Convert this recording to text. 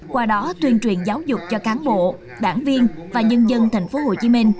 qua đó tuyên truyền giáo dục cho cán bộ đảng viên và nhân dân tp hcm